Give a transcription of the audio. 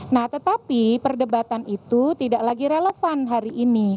nah tetapi perdebatan itu tidak lagi relevan hari ini